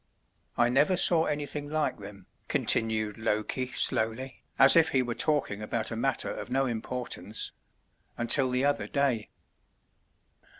"I never saw anything like them," continued Loki slowly, as if he were talking about a matter of no importance, "until the other day."